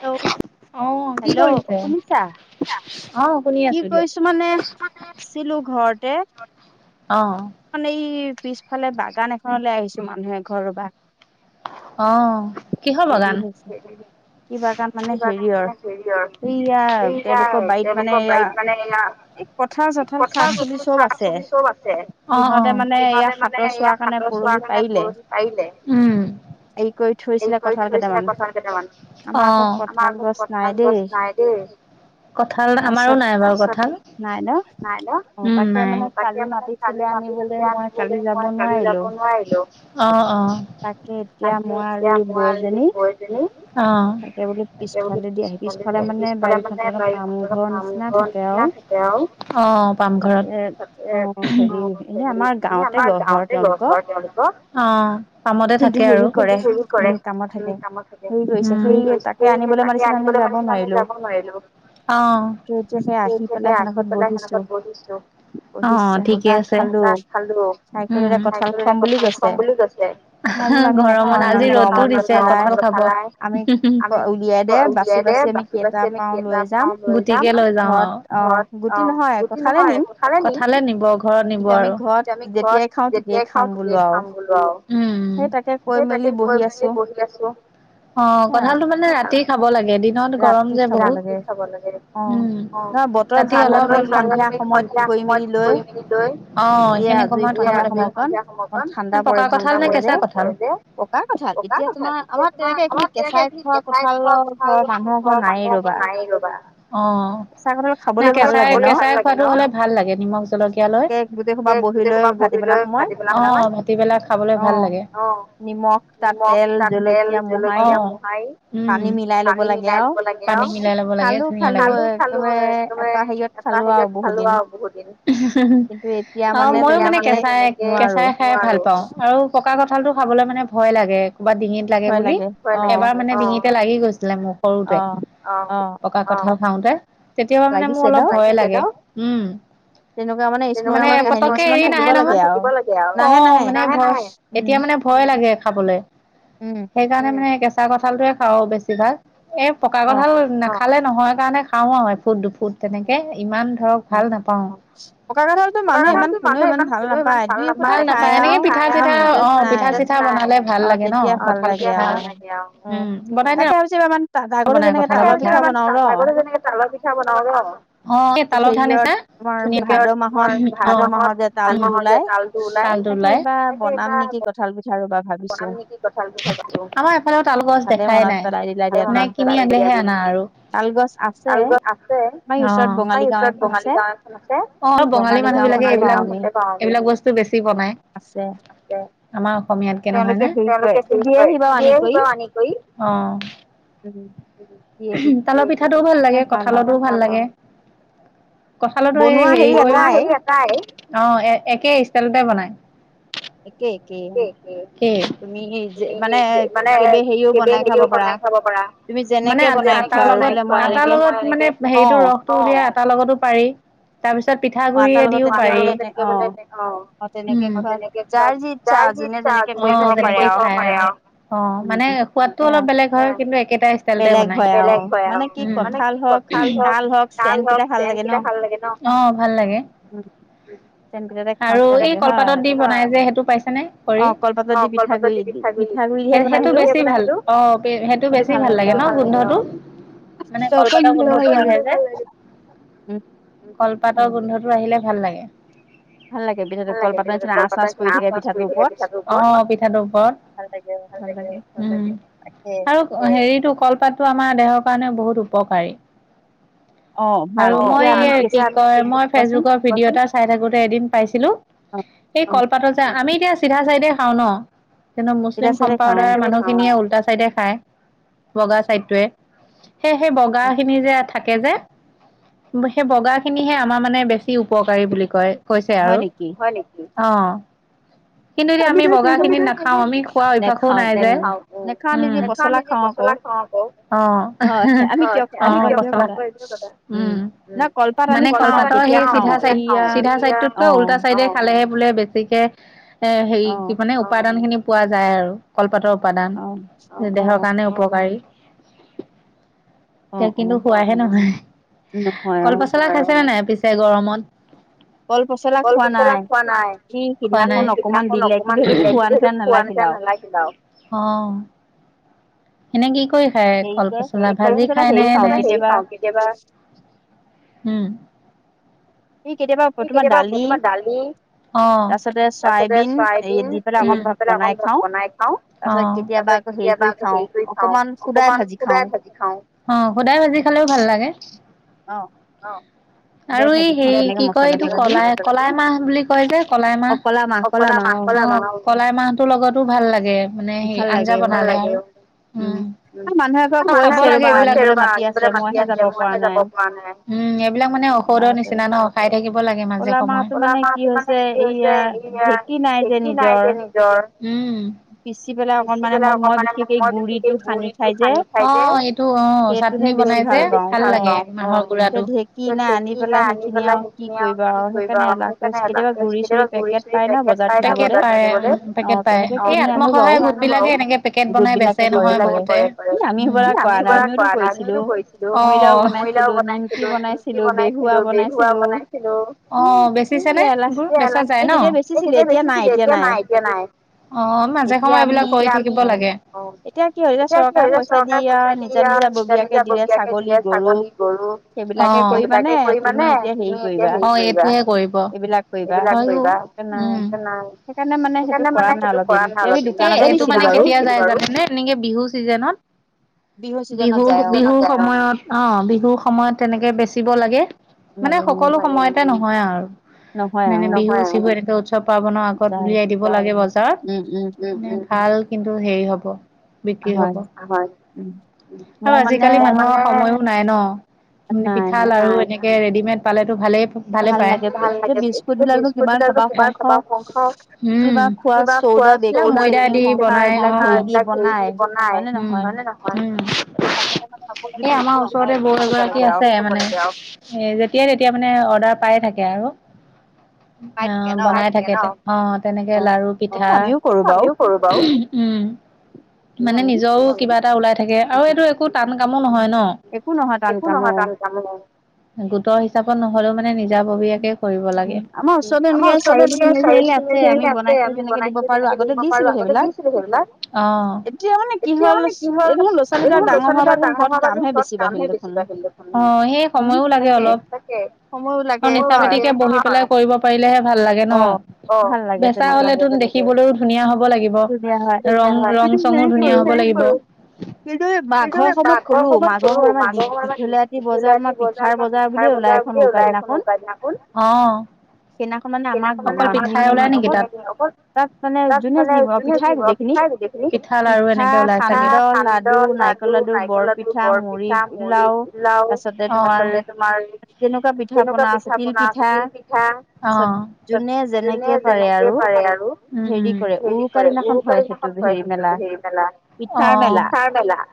Hello hello শুনিছা? কি কৰিছো মানে আছিলো ঘৰতে। অঁ। খন এই পিছফালে বাগান এখনলৈ আহিছো মানুহে এঘৰ ৰবা। অঁহ কিহৰ বাগান? কি বাগান মানে হেৰিয়ৰ সেইয়া তেওঁলোকৰ বাৰিত মানে এইয়া, কথাৰ যথ শাক চবি চব আছে, অঁ অঁ সিহঁতে মানে এয়া। হাতৰ চোৱাৰ কাৰণে পৰহি পাৰিলে। উম হেৰি কৰি থৈ হেৰি কৰি থৈছিলে কঁঠাল কেইটামান, আমাৰ আকৌ কঁঠাল গছ নাই দেই। কঁঠাল আমাৰো নাই বাৰু কঁঠাল। নাই ন, উম নাই, তাকে মানে কালি মাতিছিলে আনিবলে মই কালি যাব নোৱাৰিলো। অঁ অঁ। তাকে। তাকে এতিয়া মই আৰু গৈ পেনী অঁ তাকে বোলো পিছপালে দি পিছফালে মানে চাংঘৰৰ নিচিনা আছে। তেওঁ অঁ পামঘৰত, তাকে অ হে এনেই আমাৰ গাঁৱত ঘৰ চৰ তেওঁলোকৰ, অঁ কামতে থাকে আৰু। কিন্তু হেৰি কৰে, উম কামত থাকে উম। সেই তাকে আনিবলৈ মাটিছিল আমি যাব নোৱাৰিলো। অঁ, সেই তাতে আহি পেলাই তেনকুৱাত বহিছো। অঁ, ঠিকে আছে, তাত খালো। খাই পীনে কঠাল খোৱাম বুলি কৈছে। গৰমত আজি ৰ'দো দিছে, কঁঠাল খাব আমি উলিয়াই দে বাচি বাচি আমি কেইটা পাও ল গুটিকে লৈ যাও আও ঘৰত অঁ, গুটি নহয় কঠালে নিম কঠালে নিব ঘৰত নিব আৰু আমি ঘৰত। যেতিয়াই খাও তেতিয়াই খাম বোলো আও, উম সেই তাকে কৈ মেলি বহি আছো। অঁ, কঁঠালটো মানে ৰাতি খাব লাগে দি দিনত গৰম যে বহুত, ৰাতি খাব লাগে উম ৰাতি অলপ সন্ধিয়া সময়ত কৰি মেলি লৈ অ সেইখিনি সময়ত খাব লাগে সন্ধিয়া সময়কন। পকা কঠাল নে কেঁচা কঠাল? পকা কঠাল এতিয়া তোমাৰ অলপ তেনেকে কেচাই খোৱা কঠা, ঘৰৰ বন্ধাখন নাই ৰ'বা অ, ন কেঁচাই কেঁচাই খোৱাটো হলে ভাল লাগে নিমখ জলকীয়া লৈ, গোটেই সোপা বহি। অ ভাটি বেলাত খাবলৈ ভাল লাগে। নিমখ নিমখ তাত তেল জলকীয়া মোহাৰি। মিলাই লব লাগে মিলাই লব লাগে ধুনিয়া লাগে খালো খালো হয় একেবাৰে। তাৰ হেৰিয়ত খালো আৰু বহুত দিন অ মইও মানে কেঁচাই। কেঁচাই খাই ভাল পাও আৰু পকা কঁঠাল টো খাবলৈ মানে ভয় লাগে ক'ৰবাত ডিঙিত, লাগে বুলি এবাৰ মানে ডিঙিতে লাগি গৈছিলে মোৰ সৰুতে। পকা কঠাল খাওতে, তেতিয়া পা মানে মোৰ অলপ ভয়ে লাগে। উম মানে পতককে এৰি নাহে নহয় অ মানে এতিয়া মানে ভ ভয় লাগে খাবলৈ সেইকাৰণে মানে কেঁচা কঠালটো খাওঁ বেছি ভাগ। এ পকা কঠাল নাখালে নহয় কাৰণে খাও আৰু এফুট দুফুট তেনেকে ইমান ধৰক, ভাল নাপাওঁ। পকা কঁঠালটো মানুহে ইমান কোনোও ইমান ভাল নাপায় নাপায় এনেকে পিঠাই চিঠাই অ, পিঠা চিঠা বনালে ভাল লাগে ন কঁঠাল পিঠা বনাই দি। কেইবামান। আগতে যেনেকে তাৱা পিঠা বনাও নহ। তালত ধান আ হৈছে ধুনীয়াকে তমাৰ ভাদমাহত ভাদ মাহৰ যে তাল। ওলাই তাল টো ওলাই তাকে, কঠাল পিঠা ৰবা ভাবি, কঁঠাল আমাৰ এফালে তাল গছ দেখাই নাই। কিনি আনিলে আনা আৰু তাল গছ আছে অ পাই। ওচৰত বঙালী গাৱ এখন, অ বঙালী মানুহ বিলাকে এইবিলাক এইবিলাক বস্তু বেছি বনাই। আছে। আমাৰ অসমীয়াত। কে নহয় নে তেওঁলোকে দি আহিব দিয়েহি বাৰু আনি কৰি অ, তালৰ পিঠাটোও ভাল লাগে কঁঠালতোও ভাল লাগে। কঠালো এই হেৰি অ একে ষ্টাইলতে বনাই। একেই একেই। তুমি মানে কে হেৰিও বনাই খাব পাৰা। মানে আটাৰ লগত লগত মানে হেৰিতটো ৰসটো উলীয়াই আটাৰ লগতো পাৰি। তাৰ পিছত পিঠাগুৰি আদিও পাৰে তেনেকে বোলে, উম তেনেকে ধৰা। যুনে যেনেকে খাই অ মানে সোৱাদটো অলপ বেলেগ হয় কিন্তু একেটা, তে বনাই বেলেগ হয় আৰু মানে কিঠাল হওক তাল হওক চেনকেইটা ভাল লাগে ন। অ ভাল লাগে আৰু এই কলপাতত দি বনাই যে সেইটো পাইছেনেে? অ কলপাতত দি পিঠাগুৰি সেইটো বেছি ভাল অ সেইটো বেছি, বেছি ভাল লাগে ন গোন্ধটো মানে কলপাতৰ গোন্ধটো আহে। কলপাতৰ গোন্ধটো আহিলে ভাল লাগে। ভাল লাগে কপাতৰ আছ আছ পৰি থাকে যে। অ পিঠাটোৰ ওপৰৰ উ আৰু এ হেৰিটো কলপাতটো আমাৰ দেহৰ কাৰণে বহুত উপকাৰী আৰু মই এইবিলাকৰ মই ফেচবুকৰ ভিডিঅ' এটা চাই থাকোতে এদিন পাইছিলো এই কলপাতত যে আমি এতিয়া চিধা চাইদে খাওঁ ন সিহঁতৰ মুছলিম সম্প্ৰদায়ৰ মানুহ খিয়ে উলতা চাইডে খায় বগা চাইদ তোৱে সেই সেই বগা খিনি যে থাকে যে সেই বগা খিনিহে আমাৰ মানে বেছি উপকাৰী বুলি কয় কৈছে আৰু হয় নিকি অ কিন্তু এতিয়া আমি বগা খিনি নাখাও আমি খোৱা অভ্যাসো নাই যে নেখাও উম উম নেখাও আমি যে পচলা খাওঁ যে আকৌ অ অ পচল উম মানে কলপাতৰ সেই চিধা চাইড চিধা চাইডটোতকৈ উল্টা চাইডে খালেহে বোলে বেছিকে এ হেৰি কি মানে উপাদান খিনি পোৱা যায় আৰু কলপাতৰ উপাদান দেহৰ কাৰণে উপকাৰী এতিয়া কিন্তু খোৱাহে নহয় কলপচলা খাইছেনে নাই পিছ এ গৰমত কলপচলা খোৱা নাই খোৱা নাই সেইদিনাখন অকমান খাইছিলো খোৱা নিচিনা নালাগিলে আউ অ এনে কি কৰি খায় কল পচলা ভাজি খায়নে নে কেবা উম এই কেতিয়াবা প তোমাৰ দালি অ তাৰ পিছতে চয়াবিন এই দি পেলাই অকণ বনাই খাও তাৰছ কেতিয়াবা আকৌ হেৰি কৰি খাও অকমান খুদাই ভাজি খাও। অ খুদাই ভাজি খালেও ভাল লাগে। অ অ আৰু এই হেৰি কি কয় এইটো কলাই কলাই মাহ বুলি কয় যে কলাই মাহ কলামাহ কলামাহ কলাই মাহটোৰ লগতো ভাল লাগে মানে সেই আঞ্জা বনালে উম উম আৰু খাব লাগে এইবিলাক ৰবা আনিবলৈ মাতি আছে মই হে যাব পৰা নাই। উম এইবিলাক মানে ঔষধৰ নিচিনা ন খাই থাকিব লাগে মাজে সময়ে। কলা মাহটো মানে কি হৈছে এতিয়া ঢেঁকী নাই যে নিজৰ পিচি পেলাই অকমান নিমখ বেছি দি গুৰিটো সানি খাই যে অ অ এট টো অ চাটনি বনাই যে ভাল লাগে মাহৰ গুৰাটো তে ঢেকী নাই আনি পেলাই সেইখিনি আৰু কি কৰিবা আউ সেইকাৰণে এলাহ কৰিছো কেতিয়াবা গুৰি পেকেট পায় ন পেকেট পায় উম উম পেকেট পায় এ আত্মসহায় গোট বিলাকে এনেকে পেকেট বনাই বেছে ছে নহয় গোটে উম আমি সেইবিলাক কোৱা নাই আমিও তো কৰিছিলো অ মুড়ি লাৰু বনাইছিলো। কি বনাইছিলো বেহুৱা বনাইছিলো অ বেচিছেনে সেইবোৰ বেছা যায় ন। সেই তেতিয়া বেচিছিলো এতিয়া নাই এতিয়া নাই অ মাজে সময়ে এইবিলাক কৰি থাকিব লাগে। অ এতিয়া কি আৰু এতিয়া চৰকাৰে পইছা দি এতিয়া নিজা নিজা ববীয়াকে দিলে ছাগলী গৰু অ সেবিলাকে কৰিবানে তুমি এতিয়া সেই কৰিবা অ এইটোহে কৰিব হয়ও এইবিলাক কৰিবা উম এতিয়া নাই সেইকাৰণে মানে সেইটো কৰা নাই অলপ দিন এ এটো মানে কেতিয়া যায় জানেনে এনেকে বিহু চিজেনত বিহু বিহুৰ সময়ত। অ বিহুৰ সময়ত তেনেকে বেচিব লাগে। মানে সকলো সময়তে নহয় আৰু। মানে বিহু চিহু এনেকে উৎসৱ পাৰ্বনৰ আগত উলিয়াই দিব লাগে বজাৰত উম ভাল কিন্তু হেৰি হব। বিক্ৰী হব হয় আৰু আজিকালি মানুহৰ সময়ো নাই ন পিঠা লাৰু এনেকে ৰেডিমেড পালেতো ভালেই ভালে পায়। ভাল লাগে বিস্কুট বিস্কুট বিলাক [unintelligible] কিব খোৱা চোৱা ময়দা দি বনাই এইবিলাক হে দি [unintelligible] বনাই হয়ে নহয়। এই আমাৰ ওচৰতে বৌ এগৰাকী আছে। [unintelligible] এ যেতিয়াই তেতিয়া মানে অৰ্ডাৰ পাই থাকে আৰু। পাই থাকে ন বনাই থাকে ন। অ তেনেকে লাৰু পিঠা। আমিও কৰো বাৰু উম মানে নিজৰও কিবা এটা ওলাই থাকে। আৰু এইটো একো টান কামো নহয় ন। একো নহয় টান গোটৰ হিচাপত নহলেও মানে নিজাববীয়াকে কৰিব লাগে। আমৰ ওচৰতে বুলে চাৰিআলিৰ [unintelligible] আছে আমি বনাই তেনেকে দিব পাৰো আগতে দিছিলো ধৰিবাক অ এতিয়া মানে কি হল [unintelligible] ল'ৰা ছোৱালীবটা ডাঙৰ হোৱা পা দেখোন ঘৰত কামহে বেছি বাঢ়িলে। অ সেই সময়ো লাগে অলপ। তাকে সময় লাগ আৰু নিচা পিতিকে বহি পেলাই কৰিব পাৰিলেহে ভাল লাগে ন। অ বেচা হলে তো দেখিবলৈও ধুনীয়া হব লাগিব। ৰং ৰং চংঙো ধুনীয়া হ'ব লাগিব। সেইটো আমি মাঘৰ সময়ত কৰো মাঘৰ সময়ত আমাৰ [unintelligible] [unintelligible] পিঠাৰ বজাৰ বুলি ওলাই এখন উৰুকা দিনাখন। অ চিনা অকল পিঠাই ওলাই নেকি তাত অকল তাত মানে যোনে যি পিঠাই গোটেইখিনি, পিঠা লাৰু এনেকে ওলাই চাগে, সান্দহ [unintelligible] লাৰু নাৰিকল লাডু বৰ পিঠা মুড়ি পলাও তাৰি পিছতে তোমাৰ এনেকুৱা পিঠা বনা আছে তিল পিঠা অ ত যোনে যেনেকে পাৰে আৰু হেৰি কৰে উৰুকা দিনাখনত হয় সেইটো হেৰি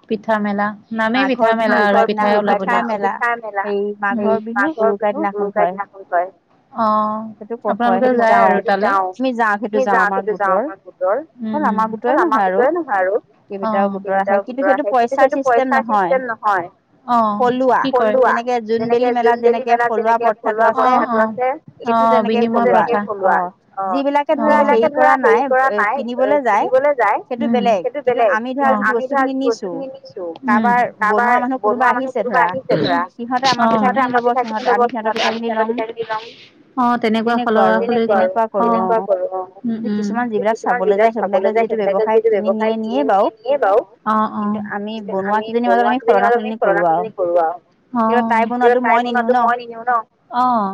পিঠা মেলা নামেই পিঠা মেলা আৰু পিঠাই ওলাব দিয়াছো [unintelligible] মেলা সেই মাঘৰ বিহু উৰুকা দিনাখন কয় অ আপোনালোকে যাই আৰু তালে, তুমি যা সেইটো যাও আমাৰ গোটৰ আমাৰ গোটৰে নহয় আৰু কেইবাটাও গোটৰ আহে কিন্তু সেইটো পইচাৰ চিষ্টেম নহয় অ কি কৰে [unintelligible] যেনেকে জোনবেলি মেলা যেনেকে [unintelligible] বিনিমই পথা অ যিবিলাকে ধৰা হেৰি কৰা নাই এ কিনিবলৈ যায় সেইটো বেলেগ কিন্তু আমি ধৰা যি বস্তুখিনি নিছো কাৰবাৰ [unintelligible] বনোৱা মানুহে কোনোবা আহিছে ধৰা অ তাতে আমাৰ পিঠা ল'ব সিহঁত আমি সিহঁতৰ পিঠা খিনি লয়, অ তেনেকুৱা সলোৱা হলি কৰো [unintelligible] কিছুমান যিবিলাক চাবলৈ যায় সেইবিলাকে টো ব্যৱসায় কিনি নিয়ে নিয়ে বাওঁ অ অ কিন্তু আমি বনোৱা কেইজনিৰ মাজ আমি সলনা সলনি কৰো আও অ [unintelligible] তাই বনাটো মই নিও ন, অহ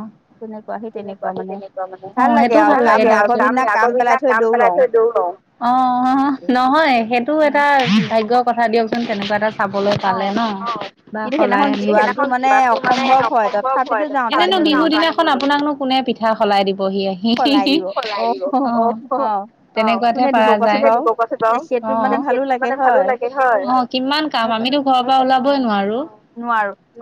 তেনেকুৱা সেই তেনেকুৱা মানে, লাগে [unintelligible] আগৰ বিনা কাম পেলাই থৈ দৌৰ অ অ নহয় সেইটো এটা ভাগ্যৰ কথা দিয়কচোন তেনেকুৱা এটা খাবলৈ পালে ন বা সলাই নিব মানে [unintelligible] [unintelligible] এনেনো বিহু দিনাখন আপোনাক নো কোনে পিঠা সলাই দিব সি আহি সলাই দিব অহ অহ তেনেকুৱাত হে পাৰ যায়, কোলে দিব কোৱাছোন বাও, অহ, সেই মানে ভালো লাগে হয় কিমান কাম আমিতো ঘৰৰ পৰা ওলাবই নোৱাৰো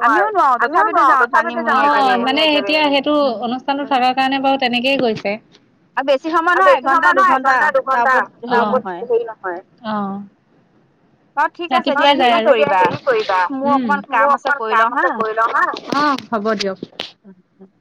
নোৱাৰোঁ আমি নোৱাৰে তথাপি যায় [unintelligible] মানে এতিয়া সেইটো অনুষ্ থাকা হেৰিৰ কাৰণে বাৰু তেনেকেই গৈছে। আৰু বেছি সময় নহয় এঘন্টা দুঘন্টাৰ আৰু হেৰি নহয়। ৰাতিপুৱাই যায়, উম, অ'। হ'ব দিয়ক। উম, উম।